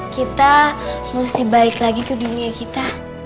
kita mesti baik lagi ke dunia kita